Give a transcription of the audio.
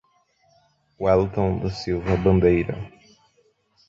Weliton da Silva Bandeira